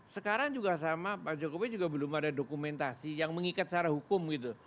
sekarang juga sama pak jokowi juga belum ada dokumentasi yang mengikat secara hukum gitu